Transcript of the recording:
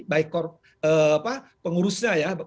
baik pengurusnya ya